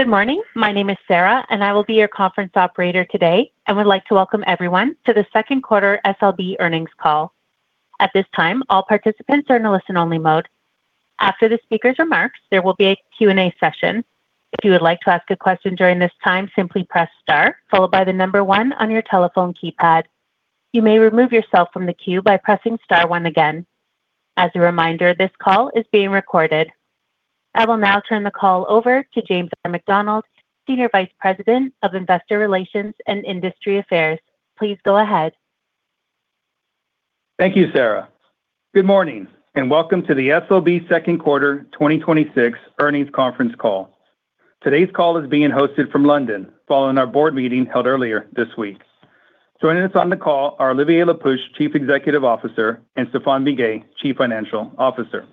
Good morning. My name is Sarah and I will be your conference operator today. I would like to welcome everyone to the second quarter SLB earnings call. At this time, all participants are in a listen-only mode. After the speakers' remarks, there will be a Q&A session. If you would like to ask a question during this time, simply press star, followed by the number one on your telephone keypad. You may remove yourself from the queue by pressing star one again. As a reminder, this call is being recorded. I will now turn the call over to James McDonald, Senior Vice President of Investor Relations and Industry Affairs. Please go ahead. Thank you, Sarah. Good morning and welcome to the SLB second quarter 2026 earnings conference call. Today's call is being hosted from London following our board meeting held earlier this week. Joining us on the call are Olivier Le Peuch, Chief Executive Officer, and Stephane Biguet, Chief Financial Officer.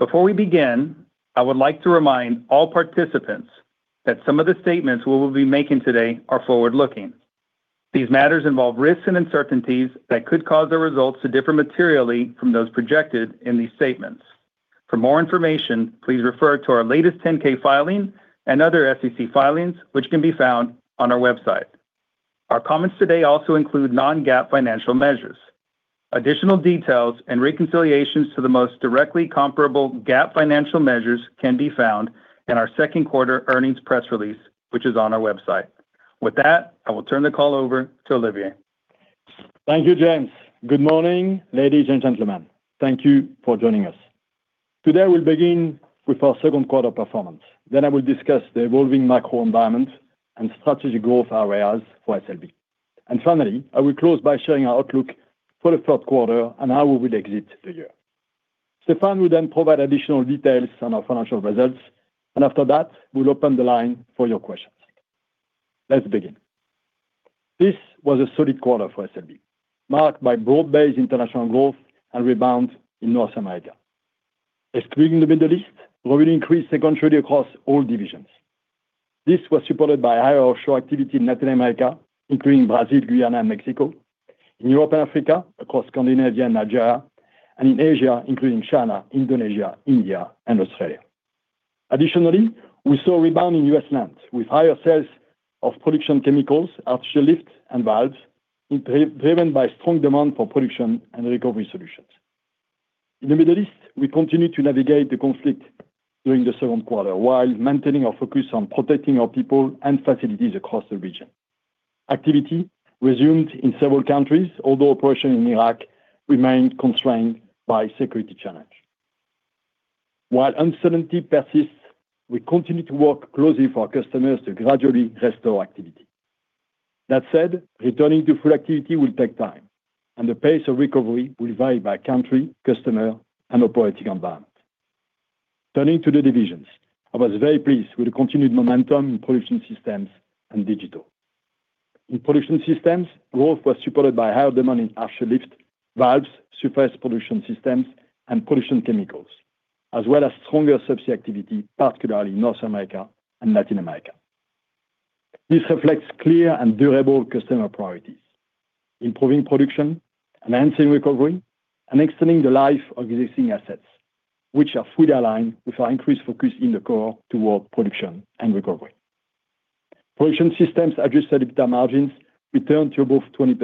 Before we begin, I would like to remind all participants that some of the statements we will be making today are forward-looking. These matters involve risks and uncertainties that could cause our results to differ materially from those projected in these statements. For more information, please refer to our latest Form 10-K filing and other SEC filings, which can be found on our website. Our comments today also include non-GAAP financial measures. Additional details and reconciliations to the most directly comparable GAAP financial measures can be found in our second quarter earnings press release, which is on our website. With that, I will turn the call over to Olivier. Thank you, James. Good morning, ladies and gentlemen. Thank you for joining us. Today, we will begin with our second quarter performance. I will discuss the evolving macro environment and strategic growth areas for SLB. Finally, I will close by sharing our outlook for the third quarter and how we will exit the year. Stephane will then provide additional details on our financial results. After that, we will open the line for your questions. Let's begin. This was a solid quarter for SLB, marked by broad-based international growth and rebound in North America. Excluding the Middle East, revenue increased sequentially across all divisions. This was supported by higher offshore activity in Latin America, including Brazil, Guyana, and Mexico, in Europe and Africa, across Scandinavia and Nigeria, and in Asia, including China, Indonesia, India and Australia. Additionally, we saw a rebound in U.S. lands with higher sales of production chemicals, artificial lift, and valves driven by strong demand for production and recovery solutions. In the Middle East, we continued to navigate the conflict during the second quarter while maintaining our focus on protecting our people and facilities across the region. Activity resumed in several countries, although operations in Iraq remained constrained by security challenges. While uncertainty persists, we continue to work closely with our customers to gradually restore activity. That said, returning to full activity will take time, and the pace of recovery will vary by country, customer, and operating environment. Turning to the divisions, I was very pleased with the continued momentum in Production Systems and Digital. In Production Systems, growth was supported by higher demand in artificial lift, valves, surface production systems, and production chemicals, as well as stronger service activity, particularly in North America and Latin America. This reflects clear and durable customer priorities: improving production, enhancing recovery, and extending the life of existing assets, which are fully aligned with our increased focus in the quarter towards production and recovery. Production Systems adjusted EBITDA margins returned to above 20%,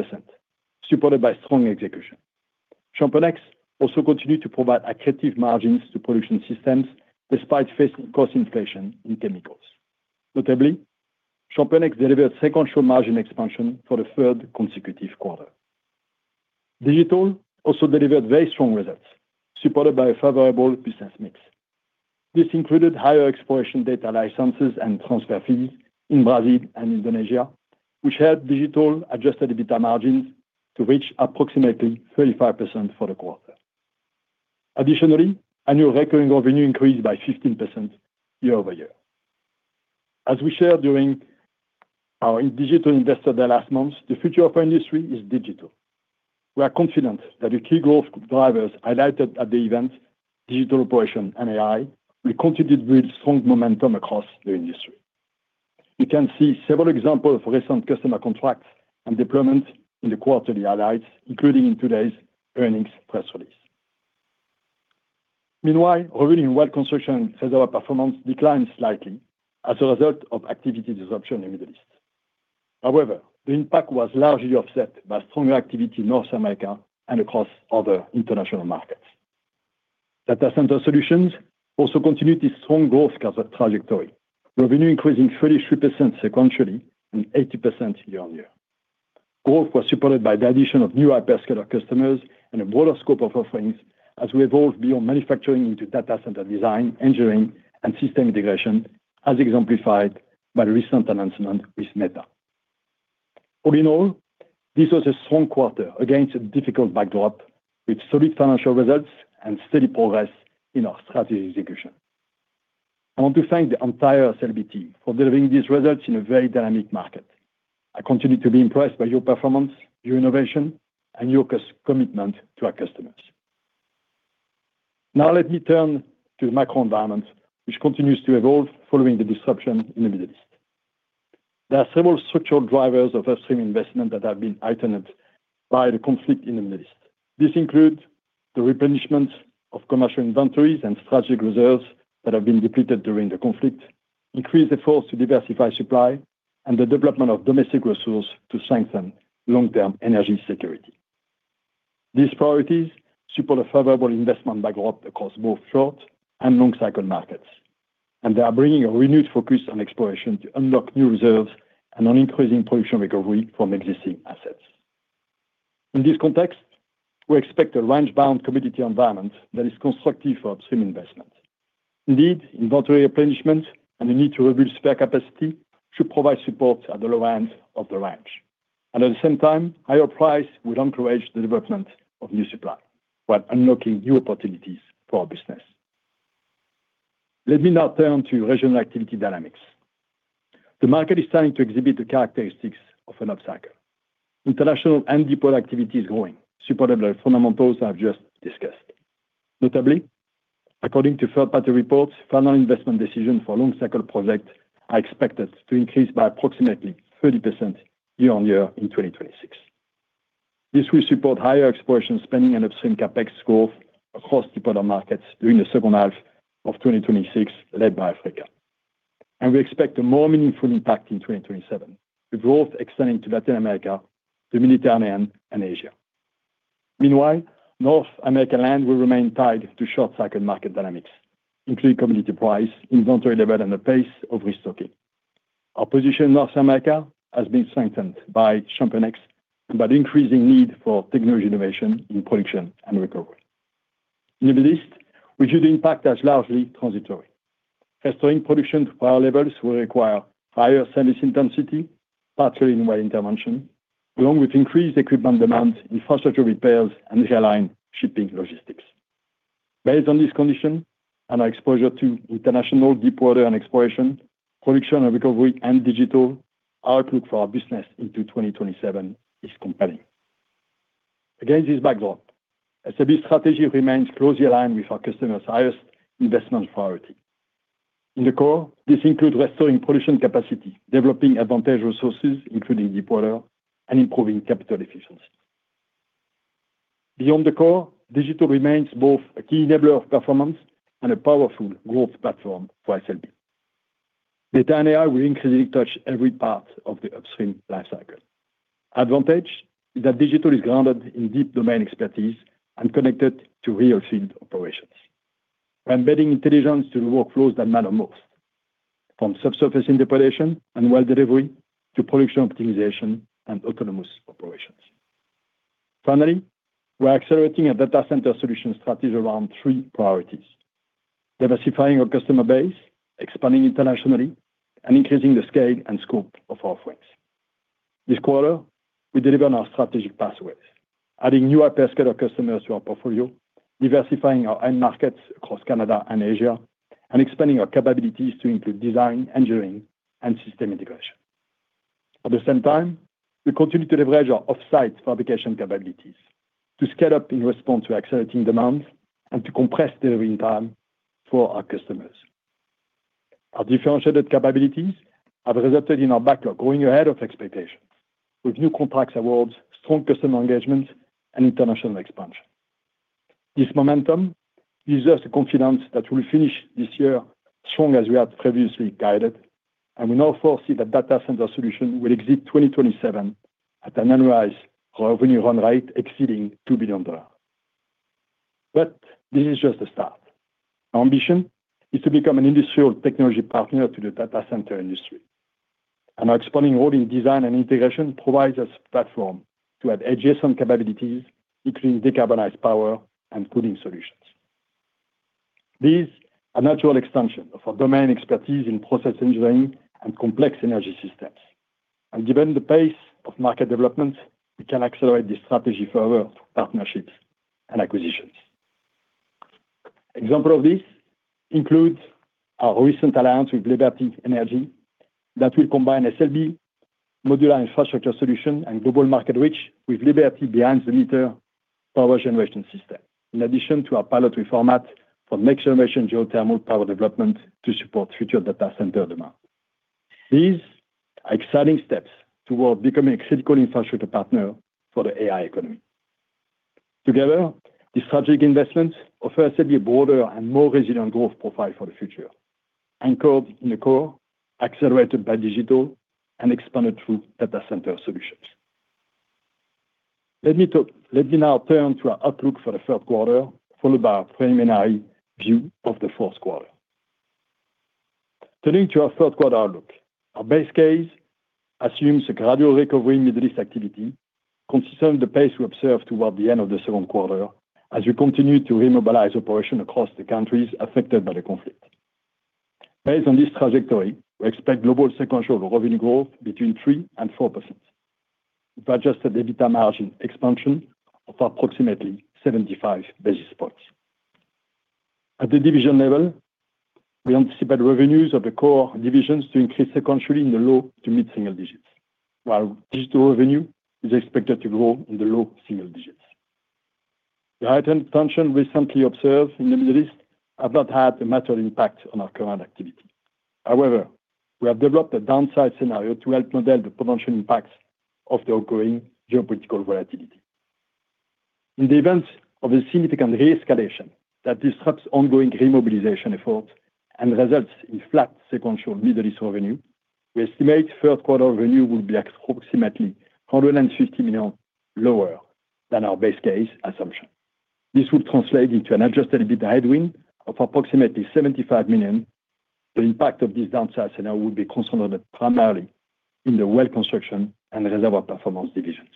supported by strong execution. ChampionX also continued to provide accretive margins to Production Systems despite facing cost inflation in chemicals. Notably, ChampionX delivered sequential margin expansion for the third consecutive quarter. Digital also delivered very strong results, supported by a favorable business mix. This included higher exploration data licenses and transfer fees in Brazil and Indonesia, which helped Digital adjusted EBITDA margins to reach approximately 35% for the quarter. Additionally, annual recurring revenue increased by 15% year-over-year. As we shared during our Digital Investor Day last month, the future of our industry is Digital. We are confident that the key growth drivers highlighted at the event, digital operation and AI, will continue to build strong momentum across the industry. You can see several examples of recent customer contracts and deployments in the quarterly highlights, including in today's earnings press release. Meanwhile, our leading Well Construction and Reservoir Performance declined slightly as a result of activity disruption in the Middle East. However, the impact was largely offset by stronger activity in North America and across other international markets. Data center solutions also continued its strong growth trajectory. Revenue increasing 33% sequentially and 80% year-on-year. Growth was supported by the addition of new hyperscaler customers and a broader scope of offerings as we evolved beyond manufacturing into data center design, engineering, and system integration, as exemplified by the recent announcement with Meta. All in all, this was a strong quarter against a difficult backdrop with solid financial results and steady progress in our strategy execution. I want to thank the entire SLB team for delivering these results in a very dynamic market. I continue to be impressed by your performance, your innovation, and your commitment to our customers. Now let me turn to the macro environment, which continues to evolve following the disruption in the Middle East. There are several structural drivers of upstream investment that have been heightened by the conflict in the Middle East. This includes the replenishment of commercial inventories and strategic reserves that have been depleted during the conflict, increased efforts to diversify supply, and the development of domestic resources to strengthen long-term energy security. These priorities support a favorable investment backdrop across both short- and long-cycle markets, and they are bringing a renewed focus on exploration to unlock new reserves and on increasing production recovery from existing assets. In this context, we expect a range-bound commodity environment that is constructive for upstream investment. Indeed, inventory replenishment and the need to rebuild spare capacity should provide support at the low end of the range. At the same time, higher price will encourage the development of new supply, while unlocking new opportunities for our business. Let me now turn to regional activity dynamics. The market is starting to exhibit the characteristics of an upcycle. International and deepwater activity is growing, supported by fundamentals I've just discussed. Notably, according to third-party reports, final investment decisions for long-cycle projects are expected to increase by approximately 30% year-on-year in 2026. This will support higher exploration spending and upstream CapEx growth across deepwater markets during the second half of 2026, led by Africa. We expect a more meaningful impact in 2027, with growth extending to Latin America, the Mediterranean, and Asia. Meanwhile, North American land will remain tied to short-cycle market dynamics, including commodity price, inventory level, and the pace of restocking. Our position in North America has been strengthened by ChampionX about increasing need for technology innovation in production and recovery. In the Middle East, we view the impact as largely transitory. Restoring production to prior levels will require higher service intensity, particularly in well intervention, along with increased equipment demand, infrastructure repairs, and shipping logistics. Based on this condition and our exposure to international deepwater and exploration, production and recovery, and Digital, our outlook for our business into 2027 is compelling. Against this backdrop, SLB strategy remains closely aligned with our customers' highest investment priority. In the core, this includes restoring production capacity, developing advantage resources, including deepwater, and improving capital efficiency. Beyond the core, Digital remains both a key enabler of performance and a powerful growth platform for SLB. Data and AI will increasingly touch every part of the upstream life cycle. Our advantage is that Digital is grounded in deep domain expertise and connected to real field operations. We're embedding intelligence to the workflows that matter most, from subsurface interpretation and well delivery to production optimization and autonomous operations. Finally, we're accelerating a data center solution strategy around three priorities: diversifying our customer base, expanding internationally, and increasing the scale and scope of our offerings. This quarter, we delivered on our strategic pathways, adding new hyperscaler customers to our portfolio, diversifying our end markets across Canada and Asia, and expanding our capabilities to include design, engineering, and system integration. At the same time, we continue to leverage our off-site fabrication capabilities to scale up in response to accelerating demand and to compress delivery time for our customers. Our differentiated capabilities have resulted in our backlog growing ahead of expectations with new contract awards, strong customer engagement, and international expansion. This momentum gives us the confidence that we'll finish this year strong as we had previously guided, and we now foresee that data center solution will exit 2027 at an annualized revenue run rate exceeding $2 billion. This is just the start. Our ambition is to become an industrial technology partner to the data center industry. Our expanding role in design and integration provides us a platform to add adjacent capabilities, including decarbonized power and cooling solutions. These are natural extensions of our domain expertise in process engineering and complex energy systems. Given the pace of market development, we can accelerate this strategy further through partnerships and acquisitions. Example of this includes our recent alliance with Liberty Energy that will combine SLB modular infrastructure solution and global market reach with Liberty behind-the-meter power generation system in addition to our pilot for next-generation geothermal power development to support future data center demand. These are exciting steps towards becoming a critical infrastructure partner for the AI economy. Together, these strategic investments offer SLB a broader and more resilient growth profile for the future, anchored in the core, accelerated by Digital, and expanded through data center solutions. Let me now turn to our outlook for the third quarter, followed by a preliminary view of the fourth quarter. Turning to our third quarter outlook, our base case assumes a gradual recovery in Middle East activity, consistent with the pace we observed toward the end of the second quarter, as we continue to remobilize operations across the countries affected by the conflict. Based on this trajectory, we expect global sequential revenue growth between 3% and 4%, with adjusted EBITDA margin expansion of approximately 75 basis points. At the division level, we anticipate revenues of the core divisions to increase sequentially in the low- to mid-single digits, while Digital revenue is expected to grow in the low single digits. The heightened tension recently observed in the Middle East have not had a material impact on our current activity. However, we have developed a downside scenario to help model the potential impacts of the ongoing geopolitical volatility. In the event of a significant re-escalation that disrupts ongoing re-mobilization efforts and results in flat sequential Middle East revenue, we estimate third quarter revenue will be approximately $150 million lower than our base case assumption. This would translate into an adjusted EBITDA headwind of approximately $75 million. The impact of this downside scenario would be concentrated primarily in the Well Construction and Reservoir Performance divisions.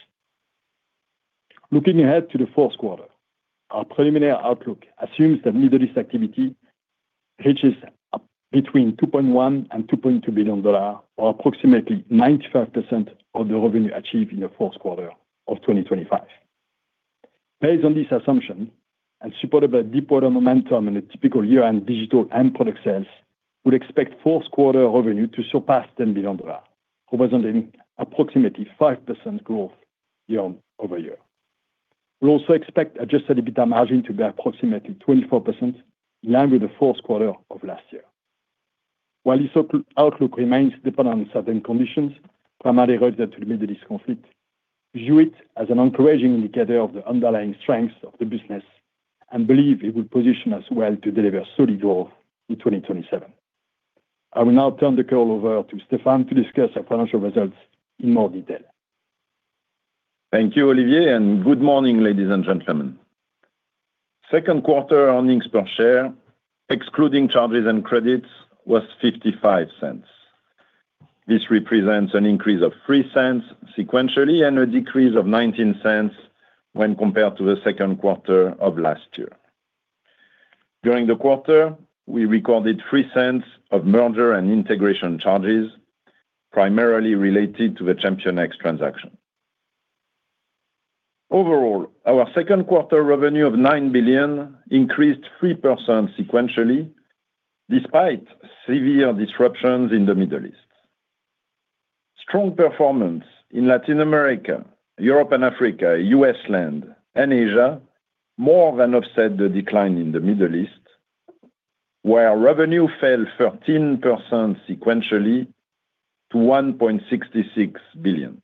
Looking ahead to the fourth quarter, our preliminary outlook assumes that Middle East activity reaches between $2.1 billion and $2.2 billion, or approximately 95% of the revenue achieved in the fourth quarter of 2025. Based on this assumption, supported by deepwater momentum and a typical year-end Digital end product sales, we'd expect fourth quarter revenue to surpass $10 billion, representing approximately 5% growth year-over-year. We also expect adjusted EBITDA margin to be approximately 24%, in line with the fourth quarter of last year. While this outlook remains dependent on certain conditions, primarily related to the Middle East conflict, we view it as an encouraging indicator of the underlying strength of the business and believe it will position us well to deliver solid growth in 2027. I will now turn the call over to Stephane to discuss our financial results in more detail. Thank you, Olivier, and good morning, ladies and gentlemen. Second quarter earnings per share, excluding charges and credits, was $0.55. This represents an increase of $0.03 sequentially and a decrease of $0.19 when compared to the second quarter of last year. During the quarter, we recorded $0.03 of merger and integration charges, primarily related to the ChampionX transaction. Overall, our second quarter revenue of $9 billion increased 3% sequentially, despite severe disruptions in the Middle East. Strong performance in Latin America, Europe and Africa, U.S. land, and Asia more than offset the decline in the Middle East, where revenue fell 13% sequentially to $1.66 billion.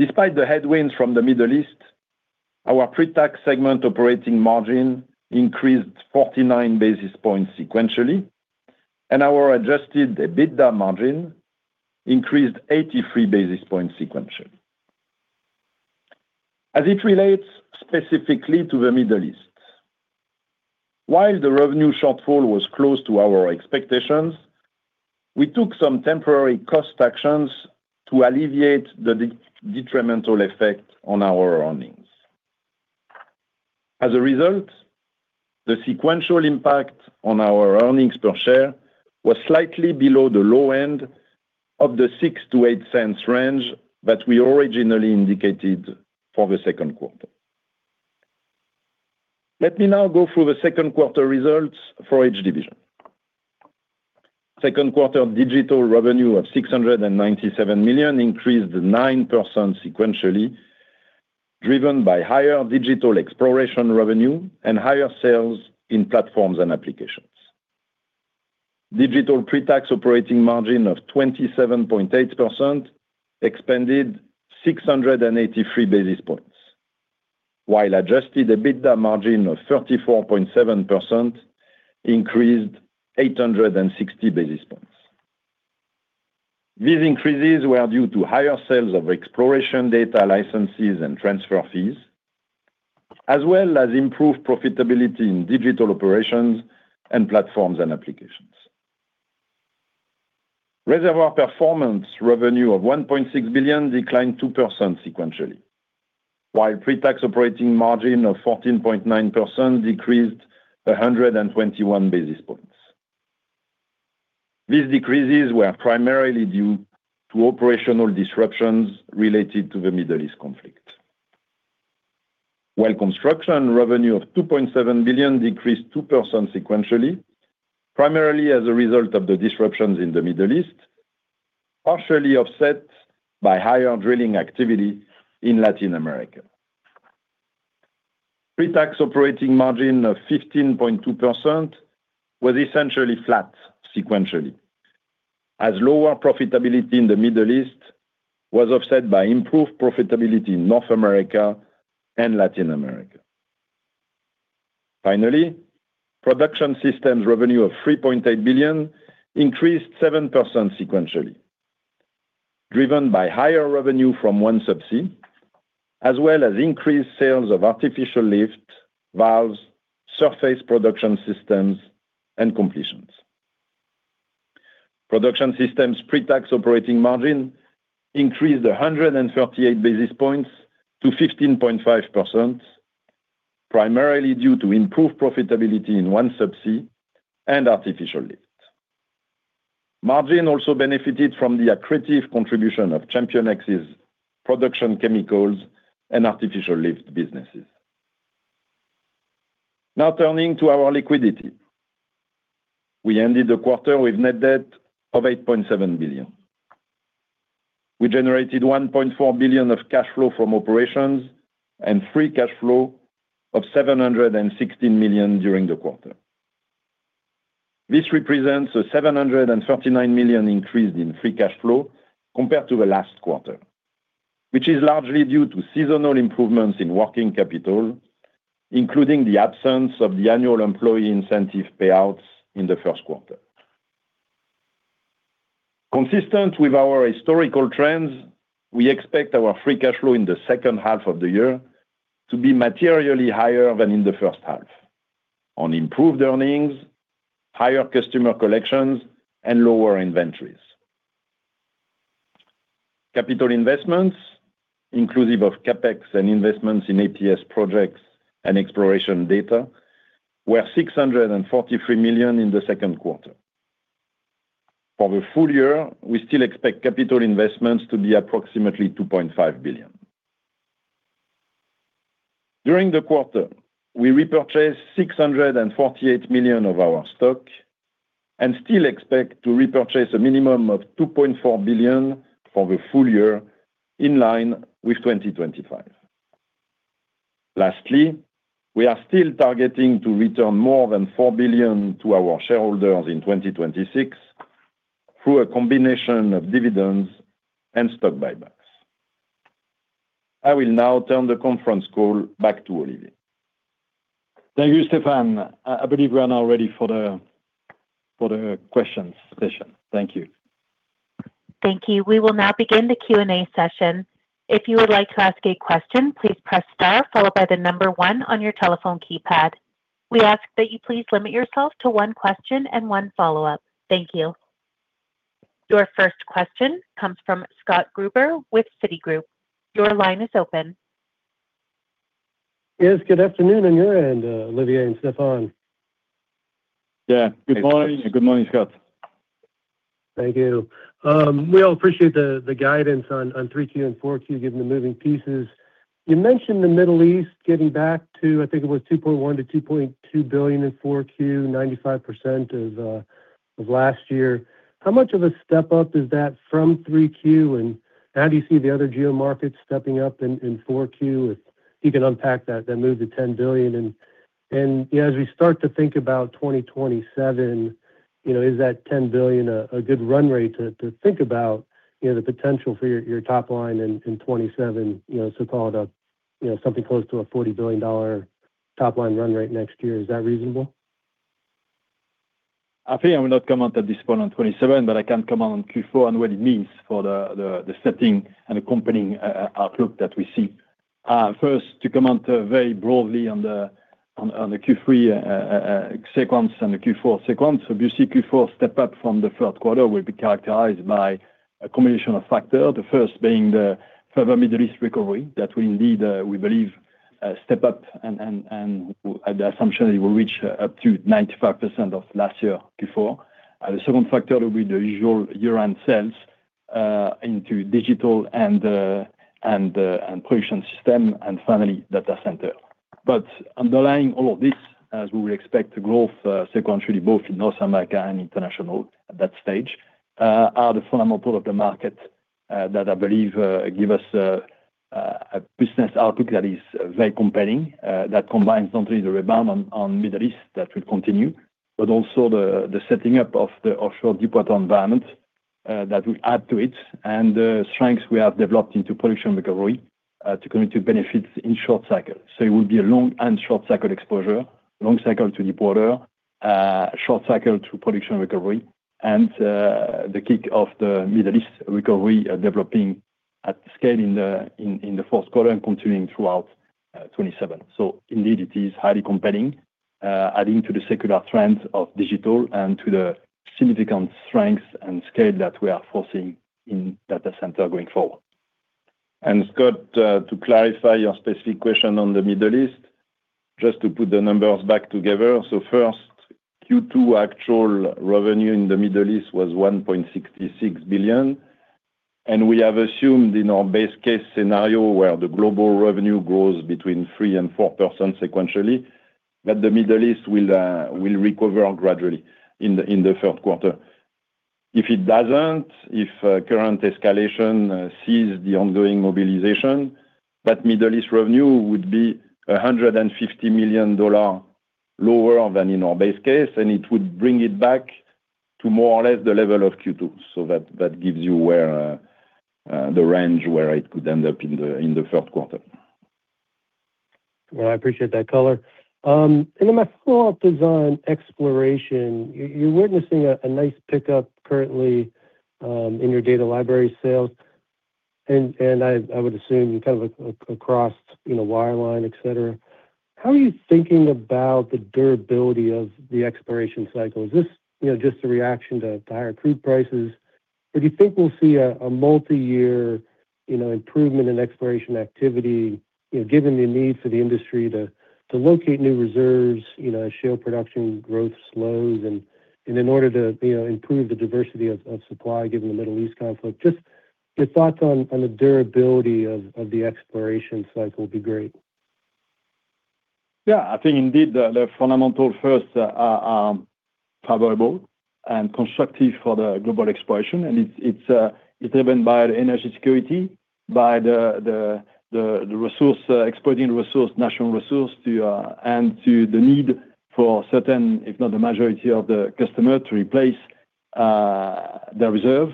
Despite the headwinds from the Middle East, our pre-tax segment operating margin increased 49 basis points sequentially, and our adjusted EBITDA margin increased 83 basis points sequentially. As it relates specifically to the Middle East, while the revenue shortfall was close to our expectations, we took some temporary cost actions to alleviate the detrimental effect on our earnings. As a result, the sequential impact on our earnings per share was slightly below the low end of the $0.06-$0.08 range that we originally indicated for the second quarter. Let me now go through the second quarter results for each division. Second quarter Digital revenue of $697 million increased 9% sequentially, driven by higher digital exploration revenue and higher sales in platforms and applications. Digital pre-tax operating margin of 27.8% expanded 683 basis points, while adjusted EBITDA margin of 34.7% increased 860 basis points. These increases were due to higher sales of exploration data licenses and transfer fees, as well as improved profitability in digital operations and platforms and applications. Reservoir Performance revenue of $1.6 billion declined 2% sequentially, while pre-tax operating margin of 14.9% decreased 121 basis points. These decreases were primarily due to operational disruptions related to the Middle East conflict. Well Construction revenue of $2.7 billion decreased 2% sequentially, primarily as a result of the disruptions in the Middle East, partially offset by higher drilling activity in Latin America. Pre-tax operating margin of 15.2% was essentially flat sequentially, as lower profitability in the Middle East was offset by improved profitability in North America and Latin America. Finally, Production Systems revenue of $3.8 billion increased 7% sequentially, driven by higher revenue from OneSubsea, as well as increased sales of artificial lift, valves, surface production systems, and completions. Production Systems pre-tax operating margin increased 138 basis points to 15.5%, primarily due to improved profitability in OneSubsea and artificial lift. Margin also benefited from the accretive contribution of ChampionX's Production Chemicals and Artificial Lift businesses. Turning to our liquidity. We ended the quarter with net debt of $8.7 billion. We generated $1.4 billion of cash flow from operations and free cash flow of $716 million during the quarter. This represents a $739 million increase in free cash flow compared to the last quarter, which is largely due to seasonal improvements in working capital, including the absence of the annual employee incentive payouts in the first quarter. Consistent with our historical trends, we expect our free cash flow in the second half of the year to be materially higher than in the first half on improved earnings, higher customer collections, and lower inventories. Capital investments, inclusive of CapEx and investments in ATS projects and exploration data, were $643 million in the second quarter. For the full year, we still expect capital investments to be approximately $2.5 billion. During the quarter, we repurchased $648 million of our stock and still expect to repurchase a minimum of $2.4 billion for the full year, in line with 2025. Lastly, we are still targeting to return more than $4 billion to our shareholders in 2026 through a combination of dividends and stock buybacks. I will now turn the conference call back to Olivier. Thank you, Stephane. I believe we are now ready for the questions session. Thank you. Thank you. We will now begin the Q&A session. If you would like to ask a question, please press star followed by the number one on your telephone keypad. We ask that you please limit yourself to one question and one follow-up. Thank you. Your first question comes from Scott Gruber with Citigroup. Your line is open. Yes. Good afternoon on your end, Olivier and Stephane. Yeah. Good morning. Good morning, Scott. Thank you. We all appreciate the guidance on 3Q and 4Q given the moving pieces. You mentioned the Middle East getting back to, I think it was $2.1 billion-$2.2 billion in 4Q, 95% of last year. How much of a step up is that from 3Q, and how do you see the other geo markets stepping up in 4Q, if you can unpack that, then move to $10 billion? As we start to think about 2027, is that $10 billion a good run rate to think about the potential for your top line in 2027, so call it something close to a $40 billion top-line run rate next year. Is that reasonable? I think I will not comment at this point on 2027, but I can comment on Q4 and what it means for the setting and accompanying outlook that we see. First, to comment very broadly on the Q3 sequence and the Q4 sequence. You see Q4 step up from the third quarter will be characterized by a combination of factors, the first being the further Middle East recovery that will indeed, we believe, step up and the assumption it will reach up to 95% of last year Q4. The second factor will be the usual year-end sales into Digital and Production Systems and finally data center. Underlying all of this, as we will expect growth sequentially both in North America and international at that stage, are the fundamentals of the market that I believe give us a business outlook that is very compelling, that combines not only the rebound on Middle East that will continue, but also the setting up of the offshore deepwater environment that will add to it and the strengths we have developed into production recovery to come into benefits in short cycle. It will be a long and short cycle exposure, long cycle to deepwater, short cycle to production recovery, and the kick of the Middle East recovery developing at scale in the fourth quarter and continuing throughout 2027. Indeed, it is highly compelling, adding to the secular trends of Digital and to the significant strengths and scale that we are foresee in data center going forward. Scott, to clarify your specific question on the Middle East, just to put the numbers back together. First, Q2 actual revenue in the Middle East was $1.66 billion, and we have assumed in our base case scenario where the global revenue grows between 3% and 4% sequentially, that the Middle East will recover gradually in the third quarter. If it doesn't, if current escalation sees the ongoing mobilization, that Middle East revenue would be $150 million lower than in our base case, and it would bring it back to more or less the level of Q2. That gives you the range where it could end up in the third quarter. Well, I appreciate that color. My follow-up is on exploration. You're witnessing a nice pickup currently in your data library sales, and I would assume kind of across wireline, et cetera. How are you thinking about the durability of the exploration cycle? Is this just a reaction to higher crude prices, or do you think we'll see a multi-year improvement in exploration activity, given the need for the industry to locate new reserves, shale production growth slows, and in order to improve the diversity of supply, given the Middle East conflict? Just your thoughts on the durability of the exploration cycle would be great. Yeah. I think indeed, the fundamental firsts are favorable and constructive for the global exploration, and it's driven by the energy security, by the exploiting resource, national resource, and to the need for certain, if not the majority of the customer to replace their reserve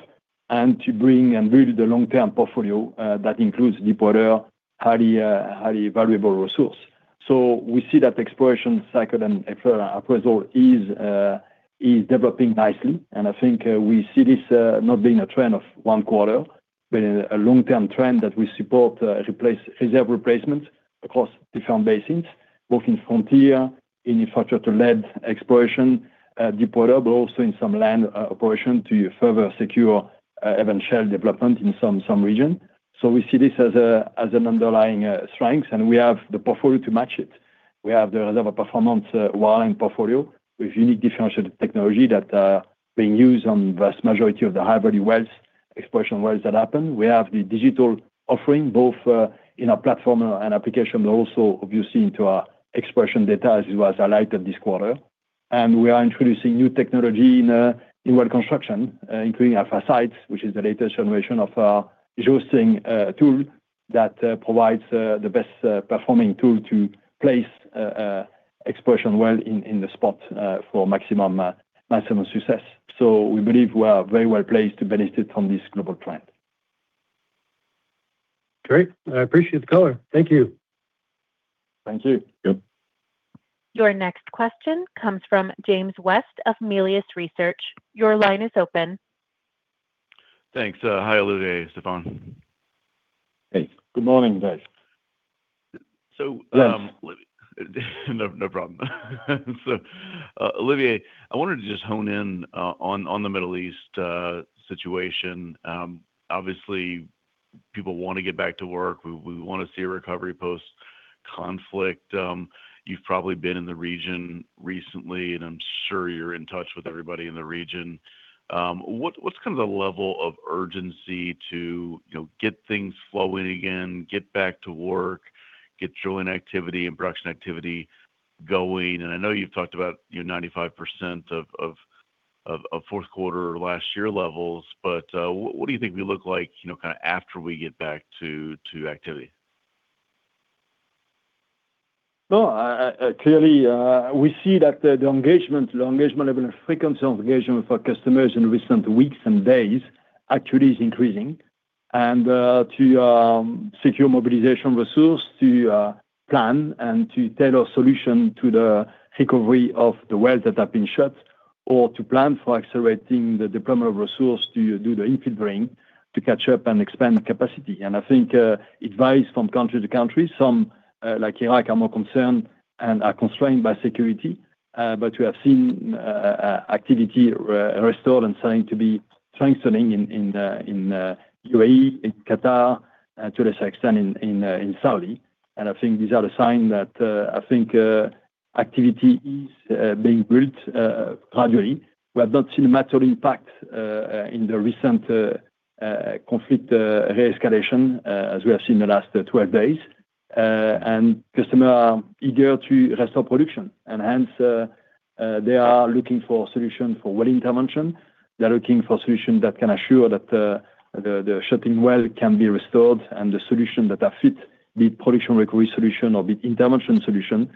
and to bring and build a long-term portfolio that includes deepwater, highly valuable resource. We see that the exploration cycle and exploration appraisal is developing nicely, and I think we see this not being a trend of one quarter, but a long-term trend that we support reserve replacement across different basins, both in frontier, in infrastructure-led exploration, deepwater, but also in some land exploration to further secure eventual development in some region. We see this as an underlying strength, and we have the portfolio to match it. We have the reserve performance wireline portfolio with unique differentiated technology that are being used on the vast majority of the high-value wells, exploration wells that happen. We have the digital offering, both in our platform and application, but also obviously into our exploration data, as it was highlighted this quarter. We are introducing new technology in Well Construction, including AlphaSight, which is the latest generation of our geosteering tool that provides the best performing tool to place exploration well in the spot for maximum success. We believe we are very well placed to benefit from this global trend. Great. I appreciate the color. Thank you. Thank you. Yep. Your next question comes from James West of Melius Research. Your line is open. Thanks. Hi, Olivier, Stephane. Hey. Good morning, James. So- Yes. No problem. Olivier, I wanted to just hone in on the Middle East situation. Obviously, people want to get back to work. We want to see a recovery post-conflict. You've probably been in the region recently, and I'm sure you're in touch with everybody in the region. What's kind of the level of urgency to get things flowing again, get back to work, get drilling activity and production activity going? I know you've talked about your 95% of fourth quarter last year levels, but what do you think we look like after we get back to activity? Clearly, we see that the engagement level and frequency of engagement for customers in recent weeks and days actually is increasing. To secure mobilization resource to plan and to tailor solution to the recovery of the wells that have been shut, or to plan for accelerating the deployment of resource to do the infill drilling to catch up and expand capacity. I think it varies from country to country. Some like Iraq are more concerned and are constrained by security. We have seen activity restored and starting to be strengthening in UAE, in Qatar, to a certain extent in Saudi. I think these are the sign that I think activity is being built gradually. We have not seen a material impact in the recent conflict re-escalation as we have seen in the last 12 days. Customers are eager to restore production, and hence they are looking for solutions for well intervention. They're looking for solutions that can assure that the shutting well can be restored and the solution that fit the production recovery solution or the intervention solution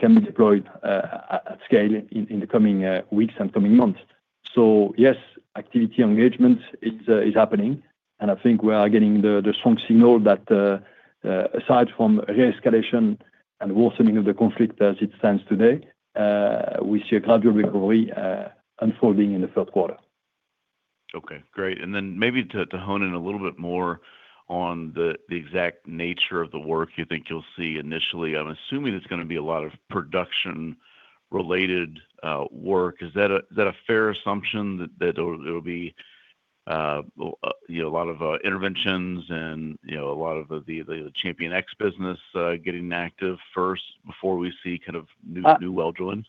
can be deployed at scale in the coming weeks and coming months. Yes, activity engagement is happening, and I think we are getting the strong signal that aside from re-escalation and worsening of the conflict as it stands today, we see a gradual recovery unfolding in the third quarter. Great. Then maybe to hone in a little bit more on the exact nature of the work you think you'll see initially. I'm assuming it's going to be a lot of production-related work. Is that a fair assumption that there will be a lot of interventions and a lot of the ChampionX business getting active first before we see new well drilling?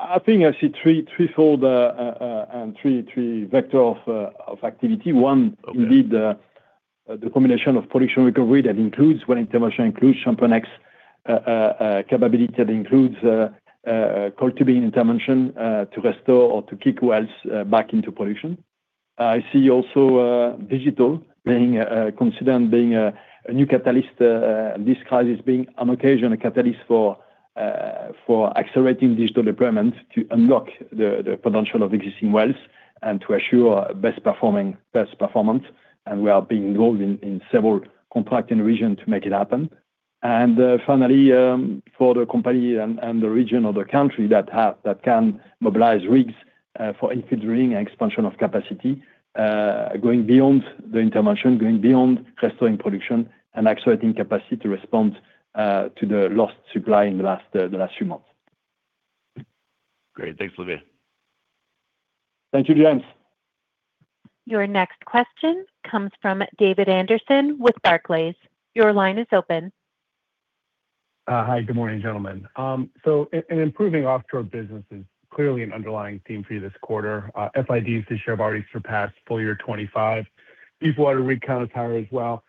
I think I see threefold and three vector of activity. Okay Indeed, the combination of production recovery that includes well intervention, includes ChampionX capability, that includes coiled tubing intervention to restore or to kick wells back into production. I see also Digital being considered and being a new catalyst. This crisis being an occasion, a catalyst for accelerating digital deployment to unlock the potential of existing wells and to assure best performance. We are being involved in several contracts in region to make it happen. Finally, for the company and the region or the country that can mobilize rigs for infill drilling and expansion of capacity, going beyond the intervention, going beyond restoring production and accelerating capacity response to the lost supply in the last few months. Great. Thanks, Olivier. Thank you, James. Your next question comes from David Anderson with Barclays. Your line is open. Hi, good morning, gentlemen. An improving offshore business is clearly an underlying theme for you this quarter. FIDs this year have already surpassed full year 2025. Deepwater rig count is higher as well.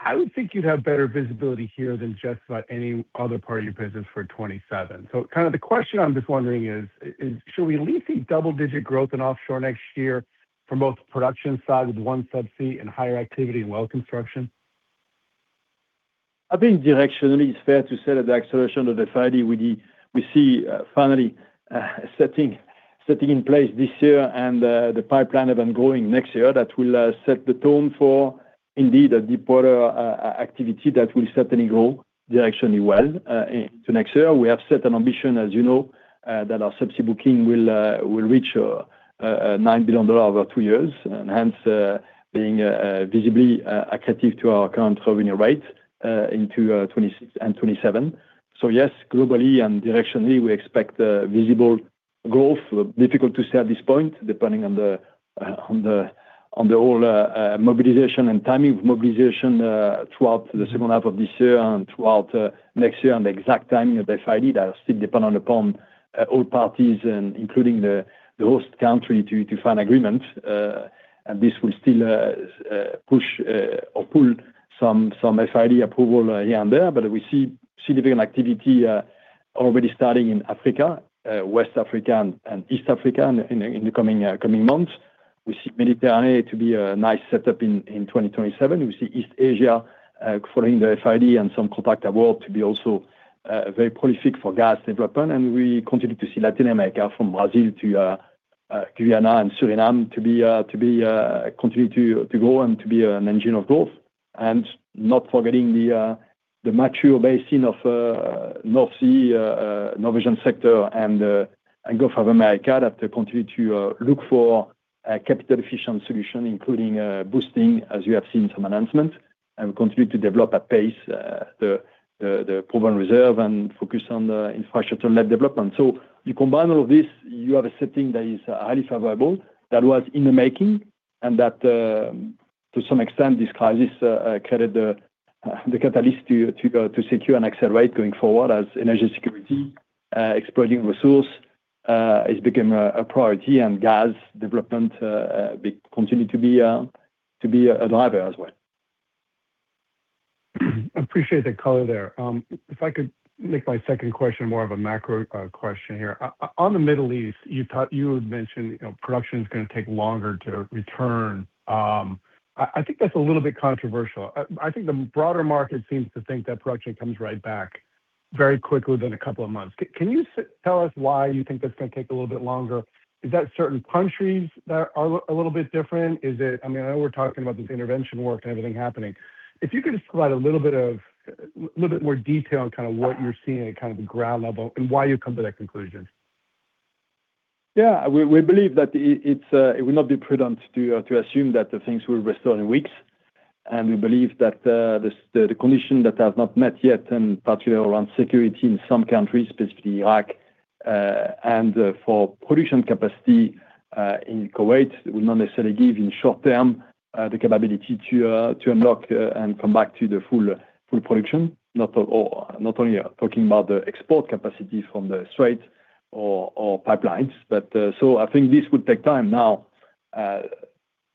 I would think you'd have better visibility here than just about any other part of your business for 2027. The question I'm just wondering is, should we at least see double-digit growth in offshore next year for both production side with OneSubsea and higher activity in Well Construction? I think directionally, it's fair to say that the acceleration of the FID we see finally setting in place this year and the pipeline of ongoing next year that will set the tone for indeed a deepwater activity that will certainly grow directionally well into next year. We have set an ambition, as you know, that our subsea booking will reach $9 billion over two years, and hence being visibly accretive to our current revenue rate into 2026 and 2027. Yes, globally and directionally, we expect visible growth. Difficult to say at this point, depending on the whole mobilization and timing of mobilization throughout the second half of this year and throughout next year and the exact timing of FID that will still depend upon all parties and including the host country to sign agreement. This will still push or pull some FID approval here and there. We see significant activity already starting in Africa, West Africa, and East Africa in the coming months. We see Mediterranean to be a nice setup in 2027. We see East Asia following the FID and some contract award to be also very prolific for gas development. We continue to see Latin America, from Brazil to Guyana and Suriname, to continue to grow and to be an engine of growth. Not forgetting the mature basin of North Sea, Norwegian sector and Gulf of Mexico that they continue to look for a capital-efficient solution, including boosting, as you have seen some announcement, and we continue to develop at pace the proven reserve and focus on the infrastructure to lead development. You combine all of this, you have a setting that is highly favorable, that was in the making, and that to some extent, this crisis created the catalyst to secure and accelerate going forward as energy security, exploring resource has become a priority and gas development continue to be a driver as well. Appreciate that color there. If I could make my second question more of a macro question here. On the Middle East, you had mentioned production's going to take longer to return. I think that's a little bit controversial. I think the broader market seems to think that production comes right back very quickly within a couple of months. Can you tell us why you think that's going to take a little bit longer? Is that certain countries that are a little bit different? I know we're talking about this intervention work and everything happening. If you could just provide a little bit more detail on what you're seeing at the ground level and why you've come to that conclusion. Yeah. We believe that it would not be prudent to assume that the things will restore in weeks. We believe that the condition that has not met yet, and particularly around security in some countries, specifically Iraq, and for production capacity in Kuwait, will not necessarily give, in short term, the capability to unlock and come back to the full production. We are not only talking about the export capacity from the Strait or pipelines. I think this would take time now.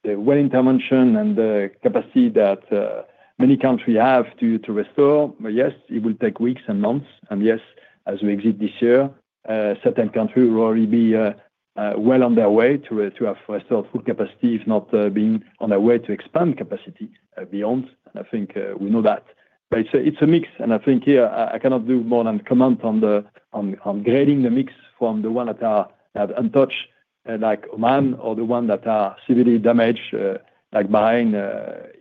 The well intervention and the capacity that many country have to restore, yes, it will take weeks and months, and yes, as we exit this year, certain countries will already be well on their way to have restored full capacity, if not being on their way to expand capacity beyond. I think we know that. It's a mix, and I think here I cannot do more than comment on grading the mix from the one that are untouched, like Oman or the one that are severely damaged, like Bahrain,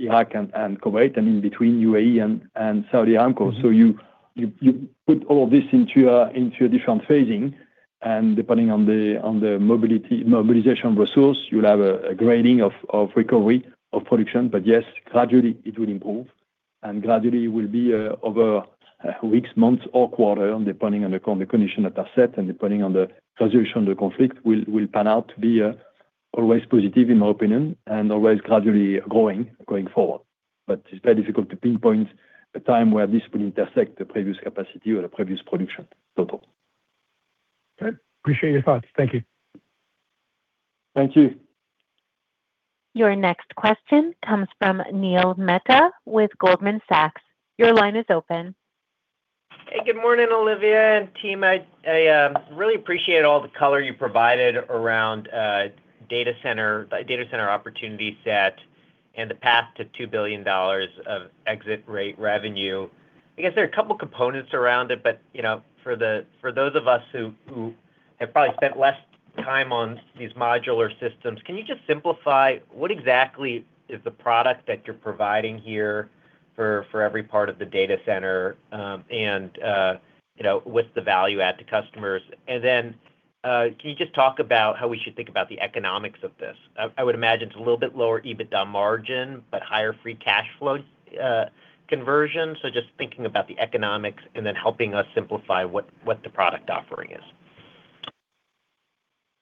Iraq, and Kuwait, and in between UAE and Saudi Aramco. You put all this into a different phasing, and depending on the mobilization resource, you'll have a grading of recovery of production. Yes, gradually it will improve, and gradually it will be over weeks, months, or quarter, depending on the condition that are set and depending on the resolution of the conflict will pan out to be always positive, in my opinion, and always gradually growing going forward. It's very difficult to pinpoint a time where this will intersect the previous capacity or the previous production total. Okay. Appreciate your thoughts. Thank you. Thank you. Your next question comes from Neil Mehta with Goldman Sachs. Your line is open. Hey, good morning, Olivier and team. I really appreciate all the color you provided around data center opportunity set and the path to $2 billion of exit rate revenue. I guess there are a couple components around it, but for those of us who have probably spent less time on these modular systems, can you just simplify what exactly is the product that you're providing here for every part of the data center, and what's the value add to customers? Then can you just talk about how we should think about the economics of this? I would imagine it's a little bit lower EBITDA margin, but higher free cash flow conversion. Just thinking about the economics and then helping us simplify what the product offering is.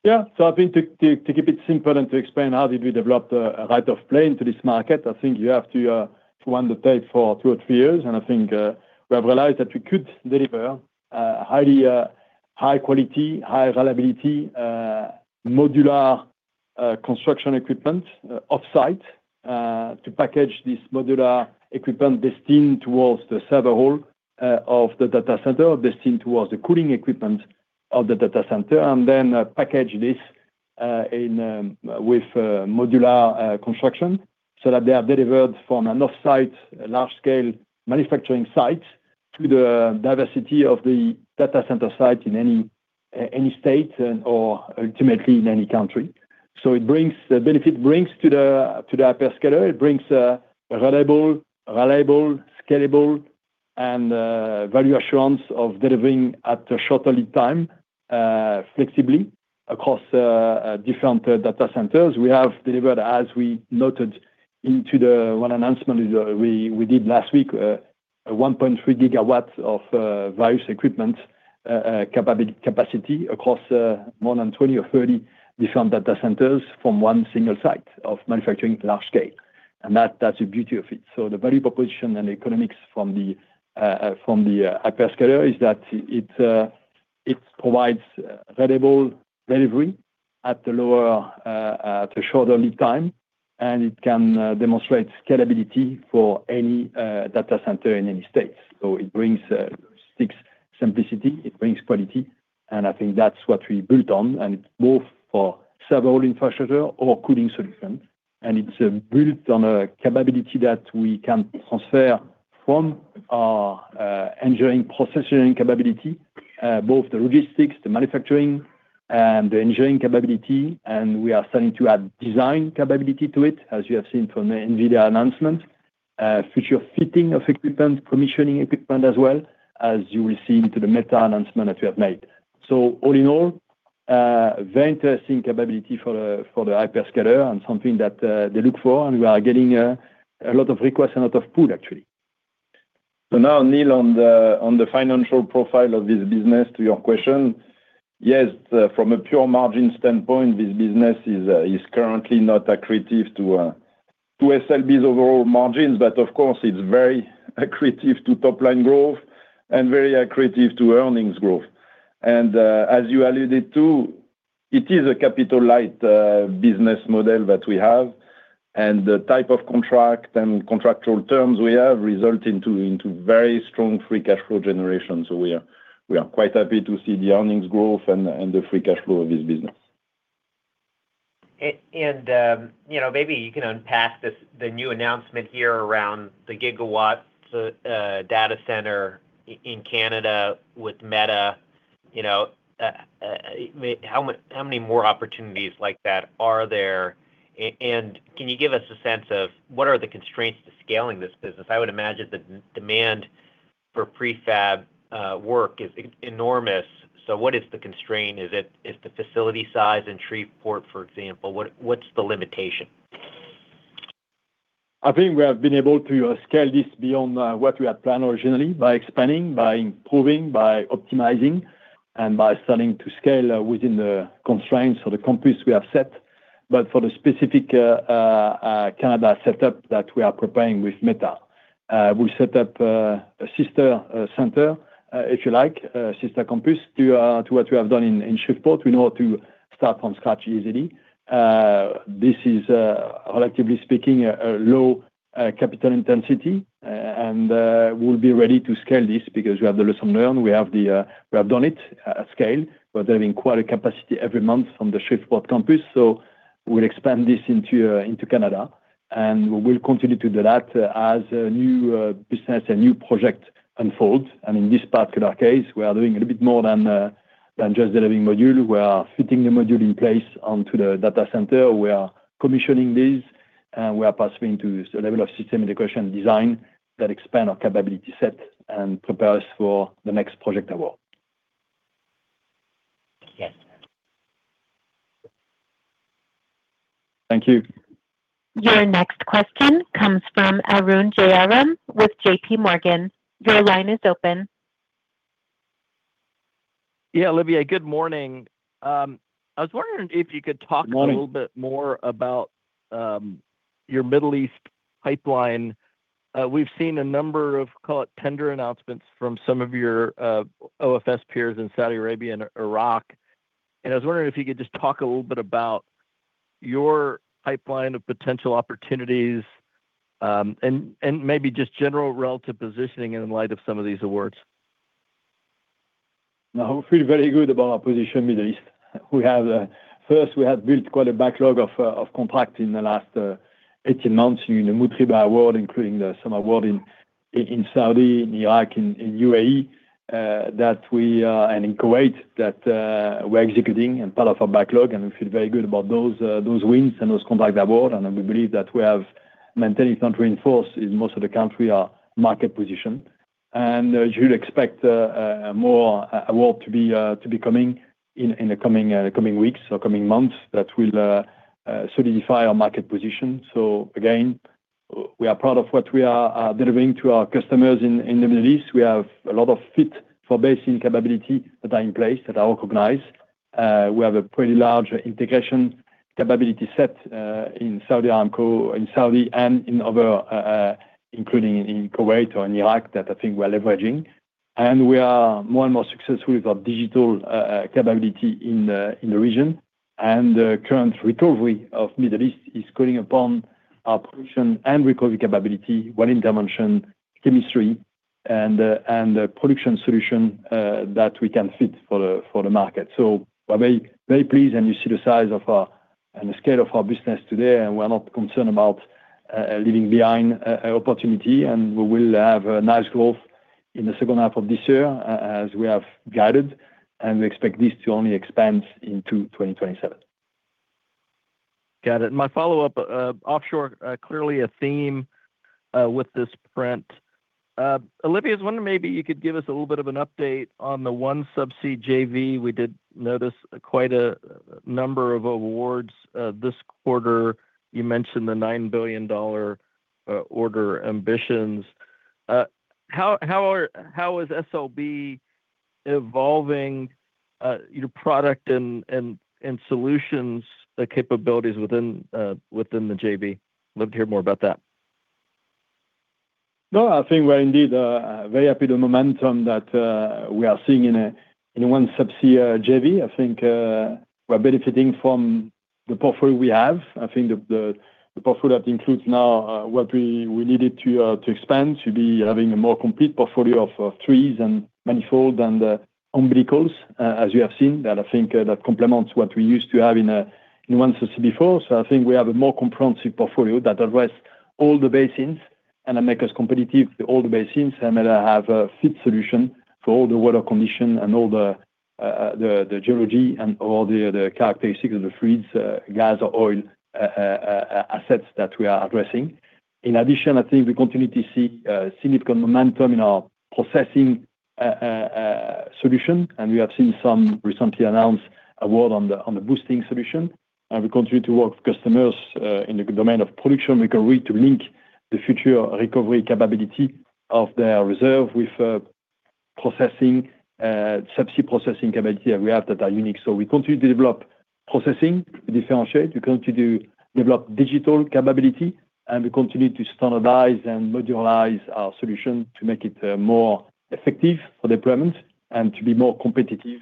Yeah. I think to keep it simple and to explain how did we develop the right of play into this market, I think you have to undertake for two or three years. I think we have realized that we could deliver a high-quality, high-availability, modular construction equipment offsite to package this modular equipment destined towards the server hall of the data center, or destined towards the cooling equipment of the data center. Then package this with modular construction so that they are delivered from an offsite, large-scale manufacturing site to the diversity of the data center site in any state or ultimately in any country. The benefit it brings to the hyperscaler, it brings a reliable, scalable and value assurance of delivering at a short lead time, flexibly across different data centers. We have delivered, as we noted into the one announcement we did last week, a 1.3 GW of various equipment capacity across more than 20 or 30 different data centers from one single site of manufacturing large scale. That's the beauty of it. The value proposition and economics from the hyperscaler is that it provides valuable delivery at the shorter lead time, and it can demonstrate scalability for any data center in any state. It brings simplicity, it brings quality, and I think that's what we built on. It's both for server infrastructure or cooling solution. It's built on a capability that we can transfer from our engineering processing capability, both the logistics, the manufacturing and the engineering capability. We are starting to add design capability to it, as you have seen from the NVIDIA announcement. Future fitting of equipment, commissioning equipment as well, as you will see into the Meta announcement that we have made. All in all, very interesting capability for the hyperscaler and something that they look for. We are getting a lot of requests and a lot of pull, actually. Now, Neil, on the financial profile of this business, to your question, yes, from a pure margin standpoint, this business is currently not accretive to SLB's overall margins. Of course, it's very accretive to top-line growth and very accretive to earnings growth. As you alluded to, it is a capital-light business model that we have, and the type of contract and contractual terms we have result into very strong free cash flow generation. We are quite happy to see the earnings growth and the free cash flow of this business. Maybe you can unpack the new announcement here around the gigawatts data center in Canada with Meta. How many more opportunities like that are there, and can you give us a sense of what are the constraints to scaling this business? I would imagine that demand for prefab work is enormous. What is the constraint? Is it the facility size in Shreveport, for example? What's the limitation? I think we have been able to scale this beyond what we had planned originally by expanding, by improving, by optimizing, and by starting to scale within the constraints or the compass we have set. For the specific Canada setup that we are preparing with Meta, we set up a sister center if you like, sister campus to what we have done in Shreveport. We know how to start from scratch easily. This is collectively speaking, a low capital intensity. We'll be ready to scale this because we have the lesson learned. We have done it at scale. We're delivering quarter capacity every month from the Shreveport campus. We'll expand this into Canada, and we will continue to do that as new business and new project unfolds. In this particular case, we are doing a little bit more than just delivering module. We are fitting the module in place onto the data center. We are commissioning this, we are pursuing to a level of system integration design that expand our capability set and prepare us for the next project award. Yes. Thank you. Your next question comes from Arun Jayaram with JPMorgan. Your line is open. Yeah. Olivier, good morning. I was wondering if you could. Morning. Talk a little bit more about your Middle East pipeline. We've seen a number of, call it, tender announcements from some of your OFS peers in Saudi Arabia and Iraq. I was wondering if you could just talk a little bit about your pipeline of potential opportunities, and maybe just general relative positioning in light of some of these awards. No, we feel very good about our position in Middle East. First, we have built quite a backlog of contracts in the last 18 months in the multi-bid award, including some award in Saudi, in Iraq, in UAE, and in Kuwait that we're executing and part of our backlog. We feel very good about those wins and those contracts award. We believe that we have maintained, if not reinforced, in most of the country, our market position. You'd expect more award to be coming in the coming weeks or coming months that will solidify our market position. Again, we are proud of what we are delivering to our customers in the Middle East. We have a lot of fit for basin capability that are in place that are recognized. We have a pretty large integration capability set in Saudi Aramco, in Saudi, and in other, including in Kuwait or in Iraq, that I think we're leveraging. We are more and more successful with our digital capability in the region. The current recovery of Middle East is calling upon our production and recovery capability, well intervention, chemistry, and production solution that we can fit for the market. We're very pleased, and you see the size and the scale of our business today. We're not concerned about leaving behind opportunity. We will have a nice growth in the second half of this year as we have guided, and we expect this to only expand into 2027. Got it. My follow-up, offshore, clearly a theme with this sprint. Olivier, I was wondering maybe you could give us a little bit of an update on the OneSubsea JV. We did notice quite a number of awards this quarter. You mentioned the $9 billion order ambitions. How is SLB evolving your product and solutions capabilities within the JV? Love to hear more about that. No, I think we're indeed very happy the momentum that we are seeing in the OneSubsea JV. I think we're benefiting from the portfolio we have. I think the portfolio that includes now what we needed to expand to be having a more complete portfolio of trees and manifold and the umbilicals, as you have seen, that I think that complements what we used to have in OneSubsea before. I think we have a more comprehensive portfolio that address all the basins and make us competitive to all the basins, and that have a fit solution for all the water condition and all the geology and all the characteristics of the fluids, gas, oil assets that we are addressing. In addition, I think we continue to see significant momentum in our processing solution, and we have seen some recently announced award on the boosting solution. We continue to work with customers in the domain of production recovery to link the future recovery capability of their reserve with subsea processing capability that we have that are unique. We continue to develop processing to differentiate. We continue to develop digital capability, and we continue to standardize and modularize our solution to make it more effective for deployment and to be more competitive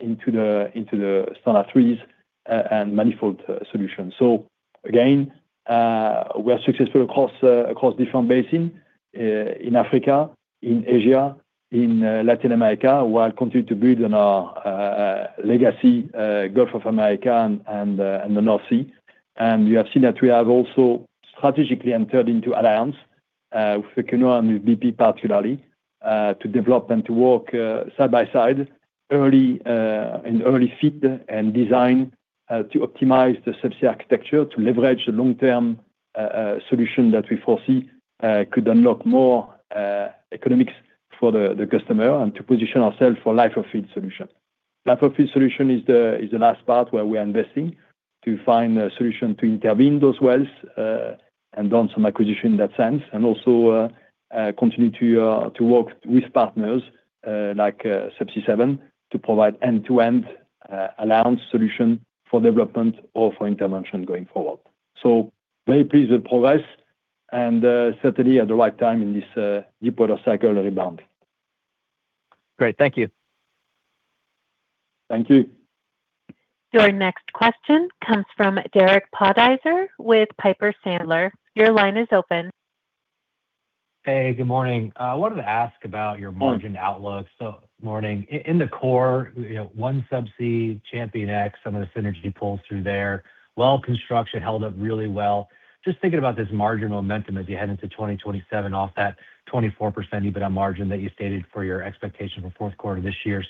into the standard trees and manifold solutions. Again, we are successful across different basin, in Africa, in Asia, in Latin America. We are continuing to build on our legacy, Gulf of America and the North Sea. You have seen that we have also strategically entered into alliance with Equinor and with BP particularly, to develop and to work side by side in early feed and design to optimize the subsea architecture to leverage the long-term solution that we foresee could unlock more economics for the customer and to position ourselves for life-of-field solution. Life-of-field solution is the last part where we are investing to find a solution to intervene those wells, and done some acquisition in that sense, and also continue to work with partners, like Subsea7, to provide end-to-end alliance solution for development or for intervention going forward. Very pleased with progress, and certainly at the right time in this new product cycle rebound. Great. Thank you. Thank you. Your next question comes from Derek Podhaizer with Piper Sandler. Your line is open. Hey, good morning. I wanted to ask about your margin outlook. In the core, OneSubsea, ChampionX, some of the synergy pulls through there. Well Construction held up really well. Just thinking about this margin momentum as you head into 2027 off that 24% EBITDA margin that you stated for your expectation for fourth quarter this year.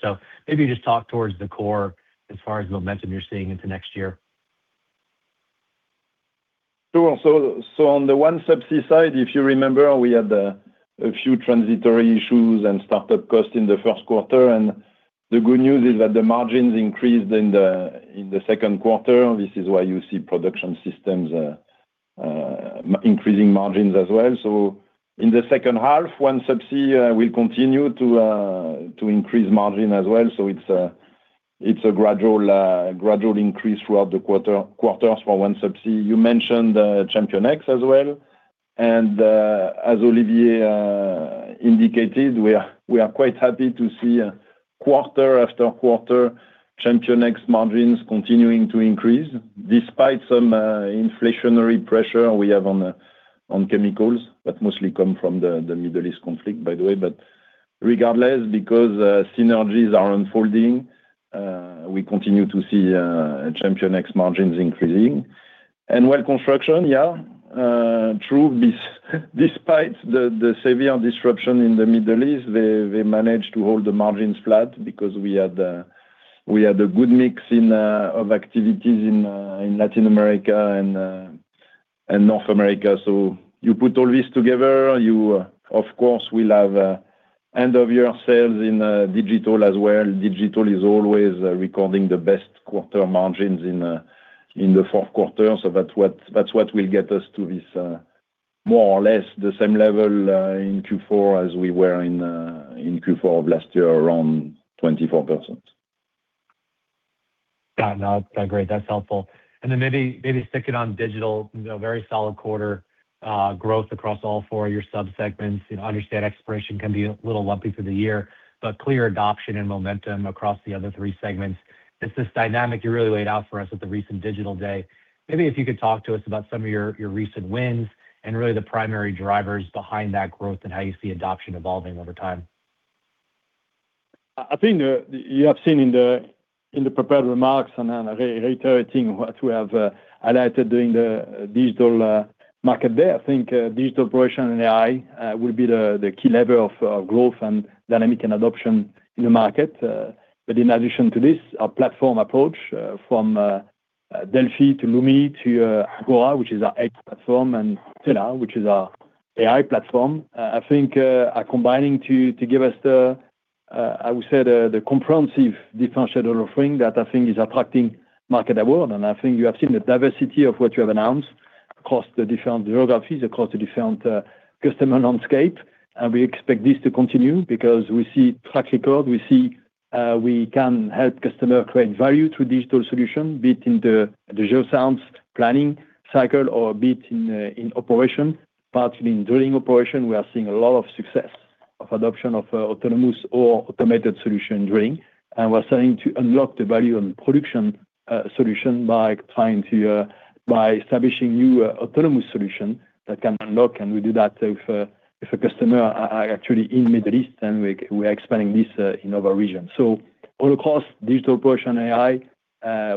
Maybe just talk towards the core as far as momentum you're seeing into next year. Sure. On the OneSubsea side, if you remember, we had a few transitory issues and startup costs in the first quarter, the good news is that the margins increased in the second quarter. This is why you see Production Systems increasing margins as well. In the second half, OneSubsea will continue to increase margin as well. It's a gradual increase throughout the quarters for OneSubsea. You mentioned ChampionX as well, as Olivier indicated, we are quite happy to see quarter after quarter ChampionX margins continuing to increase despite some inflationary pressure we have on chemicals that mostly come from the Middle East conflict, by the way. Regardless, because synergies are unfolding, we continue to see ChampionX margins increasing. Well Construction, yeah. True, despite the severe disruption in the Middle East, they managed to hold the margins flat because we had a good mix of activities in Latin America and North America. You put all this together, you of course will have an end-of-year sales in Digital as well. Digital is always recording the best quarter margins in the fourth quarter. That's what will get us to this, more or less, the same level in Q4 as we were in Q4 of last year, around 24%. Got it. Great. That's helpful. Maybe sticking on digital, very solid quarter growth across all four of your sub-segments. I understand expiration can be a little lumpy for the year, clear adoption and momentum across the other three segments. It's this dynamic you really laid out for us at the recent Digital Day. Maybe if you could talk to us about some of your recent wins and really the primary drivers behind that growth and how you see adoption evolving over time. I think you have seen in the prepared remarks, I'm reiterating what we have highlighted during the Digital Market Day. I think digital operation and AI will be the key lever of growth and dynamic and adoption in the market. In addition to this, our platform approach from Delfi to Lumi to Agora, which is our edge platform, and Tela, which is our AI platform, I think are combining to give us the, I would say, the comprehensive differentiated offering that I think is attracting market award. I think you have seen the diversity of what you have announced across the different geographies, across the different customer landscape. We expect this to continue because we see track record, we see we can help customer create value through digital solution, be it in the geoscience planning cycle or be it in operation. Partly in drilling operation, we are seeing a lot of success of adoption of autonomous or automated solution drilling. We're starting to unlock the value on production solution by establishing new autonomous solution that can unlock, and we do that with a customer actually in Middle East, and we are expanding this in other regions. All across digital operation AI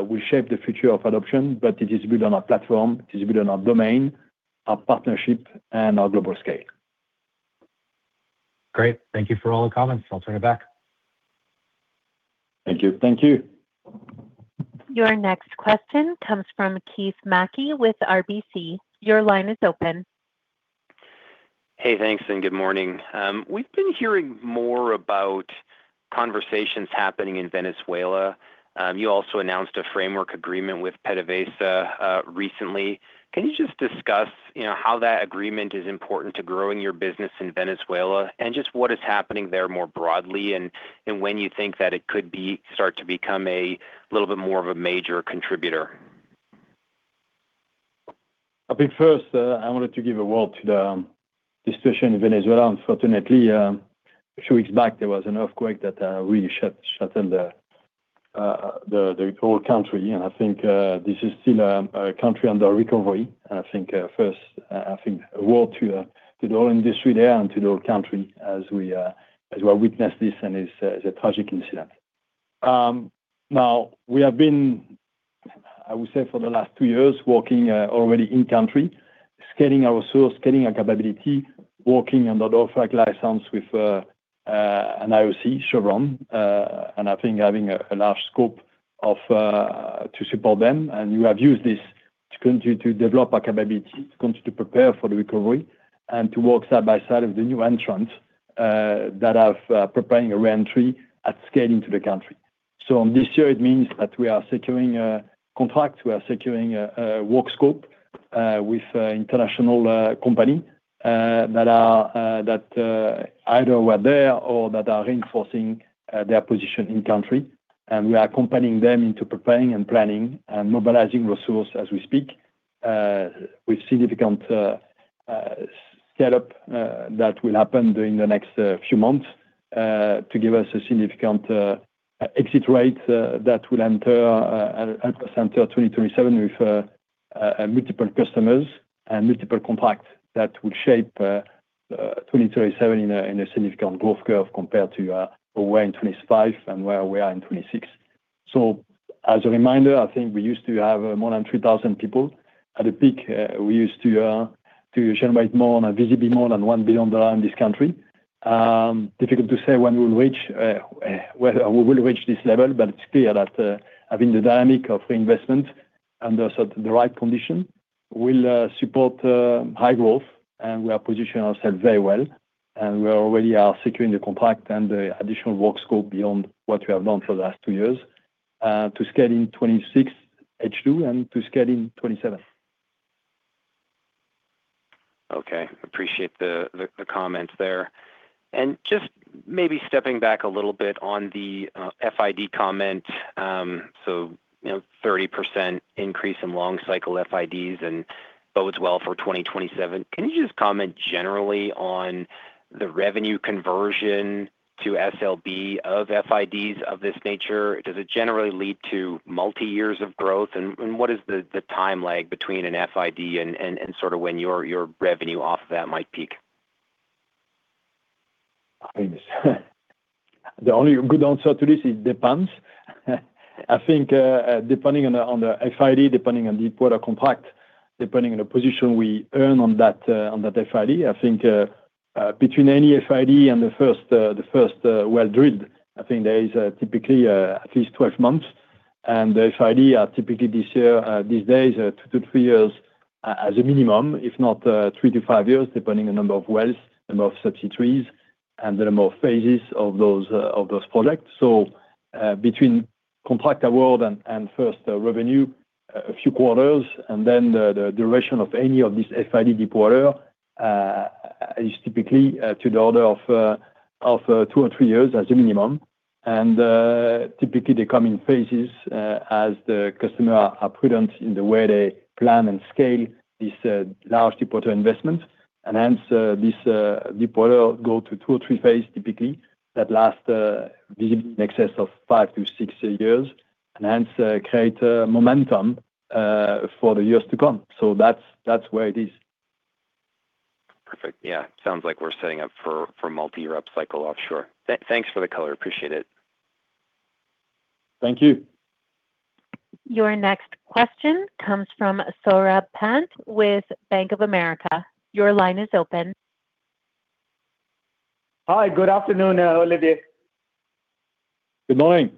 will shape the future of adoption, but it is built on our platform, it is built on our domain, our partnership, and our global scale. Great. Thank you for all the comments. I'll turn it back. Thank you. Thank you. Your next question comes from Keith Mackey with RBC. Your line is open. Hey, thanks, good morning. We've been hearing more about conversations happening in Venezuela. You also announced a framework agreement with PDVSA recently. Can you just discuss how that agreement is important to growing your business in Venezuela and just what is happening there more broadly and when you think that it could start to become a little bit more of a major contributor? I think first, I wanted to give a word to the situation in Venezuela. Unfortunately, two weeks back, there was an earthquake that really shattered the whole country. I think this is still a country under recovery. I think first a word to the whole industry there and to the whole country as we all witness this, and it's a tragic incident. We have been, I would say, for the last two years working already in country, scaling our source, scaling our capability, working under the OFAC license with an IOC, Chevron, and I think having a large scope to support them. We have used this to continue to develop our capability, to continue to prepare for the recovery, and to work side by side with the new entrants that are preparing a re-entry and scaling to the country. On this year, it means that we are securing contracts, we are securing a work scope with international company that either were there or that are reinforcing their position in country. We are accompanying them into preparing and planning and mobilizing resource as we speak, with significant scaleup that will happen during the next few months to give us a significant exit rate that will enter at present 2027 with multiple customers and multiple contracts that will shape 2027 in a significant growth curve compared to where we were in 2025 and where we are in 2026. As a reminder, I think we used to have more than 3,000 people. At the peak, we used to generate visibly more than $1 billion in this country. Difficult to say when we will reach this level. It's clear that having the dynamic of reinvestment under the right condition will support high growth. We have positioned ourselves very well. We already are securing the contract and the additional work scope beyond what we have done for the last two years to scale in 2026 H2 and to scale in 2027. Okay. Appreciate the comments there. Just maybe stepping back a little bit on the FID comment. 30% increase in long-cycle FIDs and bodes well for 2027. Can you just comment generally on the revenue conversion to SLB of FIDs of this nature? Does it generally lead to multi-years of growth? What is the time lag between an FID and sort of when your revenue off of that might peak? The only good answer to this is depends. Depending on the FID, depending on the order contract, depending on the position we earn on that FID, between any FID and the first well drilled, there is typically at least 12 months. The FID are typically these days are two to three years as a minimum, if not three to five years, depending on number of wells, number of subsidiaries, and the number of phases of those projects. Between contractor world and first revenue, a few quarters, and then the duration of any of this FID deepwater is typically to the order of two or three years as a minimum. Typically, they come in phases as the customer are prudent in the way they plan and scale this large deepwater investment. This deepwater go to two or three phases typically that last in excess of five to six years and hence create a momentum for the years to come. That's where it is. Perfect. Yeah. Sounds like we're setting up for multi-year upcycle offshore. Thanks for the color. Appreciate it. Thank you. Your next question comes from Saurabh Pant with Bank of America. Your line is open. Hi. Good afternoon, Olivier. Good morning.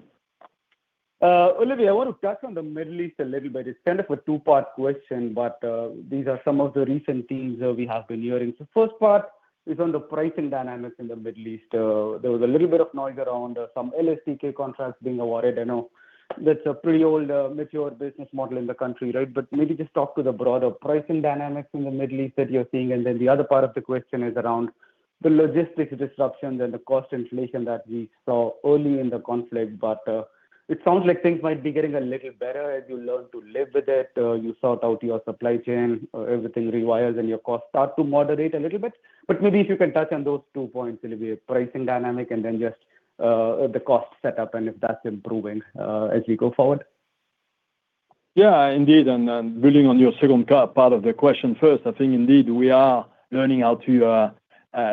Olivier, I want to touch on the Middle East a little bit. It's kind of a two-part question, but these are some of the recent themes that we have been hearing. First part is on the pricing dynamics in the Middle East. There was a little bit of noise around some LSTK contracts being awarded. I know that's a pretty old, mature business model in the country, right? Maybe just talk to the broader pricing dynamics in the Middle East that you're seeing. The other part of the question is around the logistics disruption, then the cost inflation that we saw early in the conflict. It sounds like things might be getting a little better as you learn to live with it, you sort out your supply chain, everything rewires and your costs start to moderate a little bit. Maybe if you can touch on those two points, it'll be pricing dynamic and then just the cost set up and if that's improving as we go forward. Yeah, indeed. Building on your second part of the question first, I think indeed we are learning how to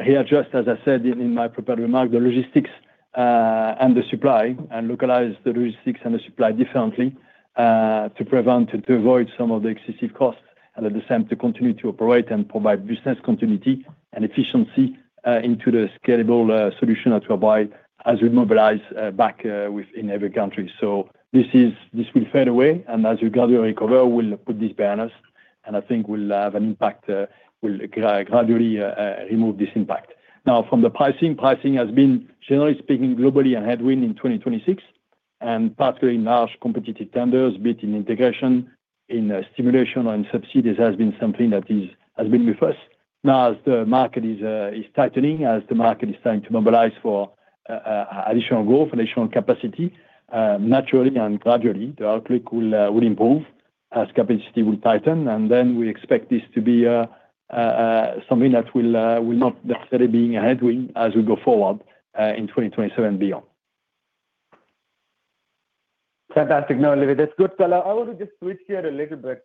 hear, just as I said in my prepared remark, the logistics and the supply, and localize the logistics and the supply differently to avoid some of the excessive costs and at the same, to continue to operate and provide business continuity and efficiency into the scalable solution that provide as we mobilize back within every country. This will fade away, and as we gradually recover, we'll put these behind us, and I think we'll have an impact. We'll gradually remove this impact. From the pricing has been, generally speaking, globally a headwind in 2026, and particularly in large competitive tenders, bid in integration, in stimulation or in subsidies has been something that has been with us. As the market is tightening, as the market is trying to mobilize for additional growth and additional capacity, naturally and gradually the outlook will improve as capacity will tighten. We expect this to be something that will not necessarily being a headwind as we go forward in 2027 and beyond. Fantastic. No, Olivier, that's good. I want to just switch here a little bit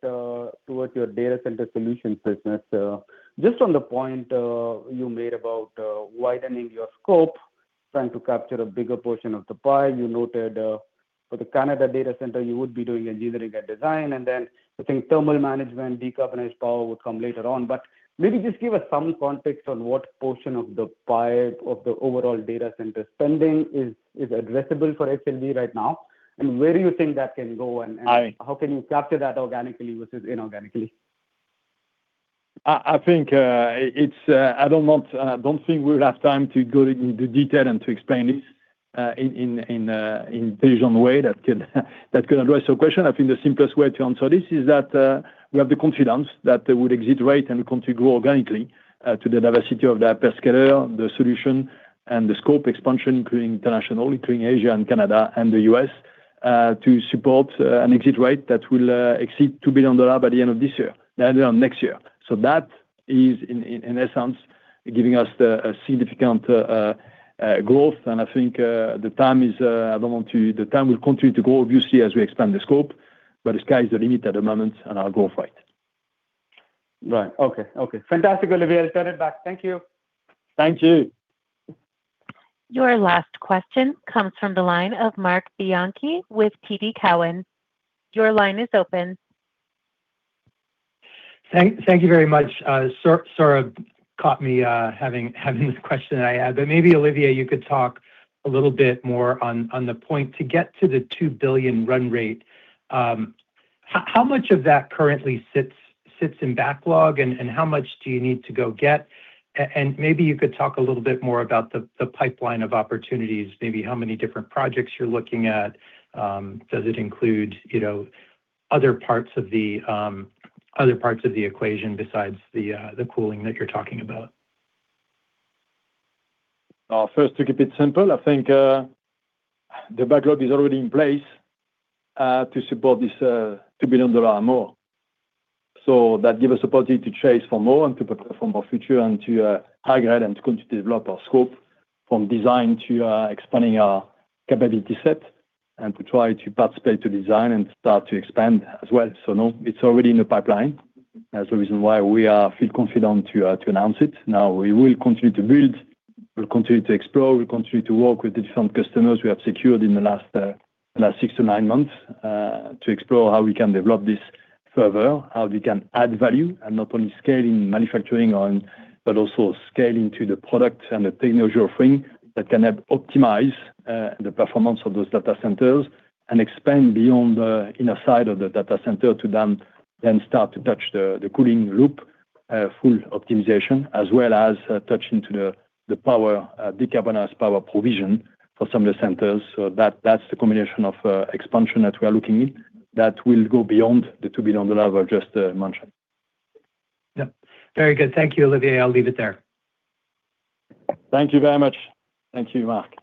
towards your data center solutions business. Just on the point you made about widening your scope, trying to capture a bigger portion of the pie. You noted for the Canada data center you would be doing engineering and design, and then I think thermal management, decarbonized power would come later on. Maybe just give us some context on what portion of the pie of the overall data center spending is addressable for SLB right now, and where do you think that can go and- I- How can you capture that organically versus inorganically? I don't think we'll have time to go into detail and to explain this in a detailed way that could address your question. I think the simplest way to answer this is that we have the confidence that we would exit rate and continue to grow organically to the diversity of that scale, the solution, and the scope expansion, including international, including Asia and Canada and the U.S. to support an exit rate that will exceed $2 billion by the end of next year. That is, in essence, giving us a significant growth, and I think the time will continue to grow obviously as we expand the scope. The sky is the limit at the moment, and our growth rate. Right. Okay. Fantastic, Olivier. I'll turn it back. Thank you. Thank you. Your last question comes from the line of Marc Bianchi with TD Cowen. Your line is open. Thank you very much. Saurabh caught me having this question I had. Maybe Olivier, you could talk a little bit more on the point to get to the $2 billion run rate. How much of that currently sits in backlog, and how much do you need to go get? Maybe you could talk a little bit more about the pipeline of opportunities, maybe how many different projects you're looking at. Does it include other parts of the equation besides the cooling that you're talking about? First, to keep it simple, I think the backlog is already in place to support this $2 billion or more. That give us opportunity to chase for more to prepare for more future and to high-grade. To continue to develop our scope from design to expanding our capability set. To try to participate to design and start to expand as well. No, it's already in the pipeline. That's the reason why we feel confident to announce it. We will continue to build, we'll continue to explore, we'll continue to work with different customers we have secured in the last six to nine months to explore how we can develop this further, how we can add value and not only scaling manufacturing on, but also scaling to the product and the technology offering that can help optimize the performance of those data centers and expand beyond the inner side of the data center to start to touch the cooling loop, full optimization, as well as touch into the decarbonized power provision for some of the centers. That's the combination of expansion that we are looking in that will go beyond the $2 billion I've just mentioned. Yep. Very good. Thank you, Olivier. I'll leave it there. Thank you very much. Thank you, Marc.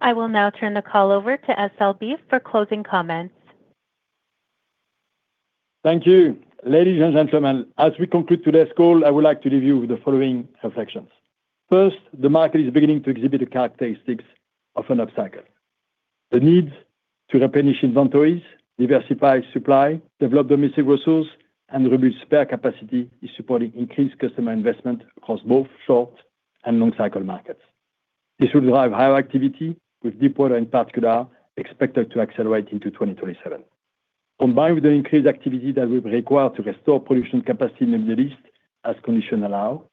I will now turn the call over to SLB for closing comments. Thank you. Ladies and gentlemen, as we conclude today's call, I would like to leave you with the following reflections. First, the market is beginning to exhibit the characteristics of an upcycle. The need to replenish inventories, diversify supply, develop domestic resources, and rebuild spare capacity is supporting increased customer investment across both short- and long-cycle markets. This will drive higher activity, with deepwater in particular expected to accelerate into 2027. Combined with the increased activity that will be required to restore production capacity in the Middle East as conditions allow,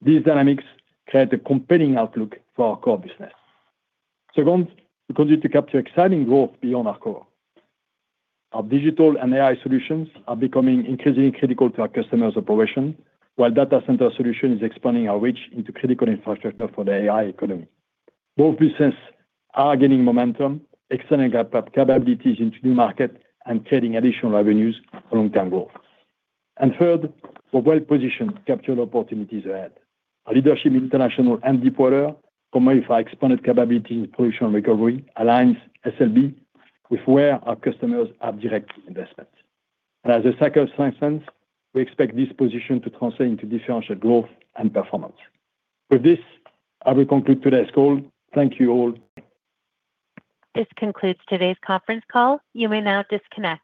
these dynamics create a compelling outlook for our core business. Second, we continue to capture exciting growth beyond our core. Our digital and AI solutions are becoming increasingly critical to our customers' operations, while data center solution is expanding our reach into critical infrastructure for the AI economy. Both business are gaining momentum, extending capabilities into new markets and creating additional revenues for long-term growth. Third, we're well-positioned to capture the opportunities ahead. Our leadership in international and deepwater, combined with our expanded capabilities in production recovery, aligns SLB with where our customers have direct investments. As the cycle strengthens, we expect this position to translate into differential growth and performance. With this, I will conclude today's call. Thank you all. This concludes today's conference call. You may now disconnect.